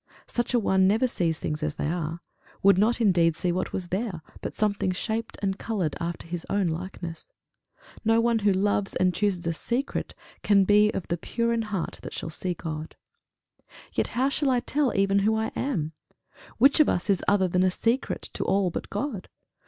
Such a one never sees things as they are would not indeed see what was there, but something shaped and coloured after his own likeness. No one who loves and chooses a secret can be of the pure in heart that shall see God. Yet how shall I tell even who I am? Which of us is other than a secret to all but God!